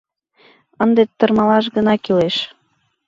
Ынде тырмалаш гына кӱлеш.